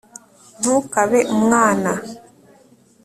ntukabe umwana